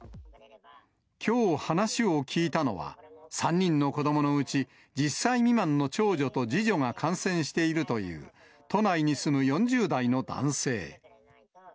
きょう話を聞いたのは、３人の子どものうち１０歳未満の長女と次女が感染しているという都内に住む４０代の男性。